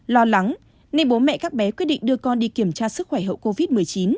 lo lắng nên bố mẹ các bé quyết định đưa con đi kiểm tra sức khỏe hậu covid một mươi chín